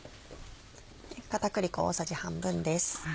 片栗粉大さじ半分です。